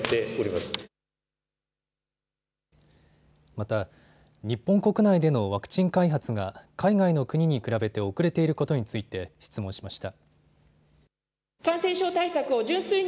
また日本国内でのワクチン開発が海外の国に比べて遅れていることについて質問しました。